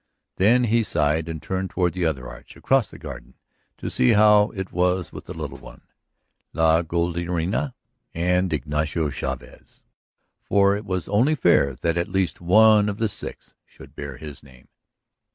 Then he sighed and turned toward the other arch across the garden to see how it was with the Little One, La Golondrina, and Ignacio Chavez. For it was only fair that at least one of the six should bear his name.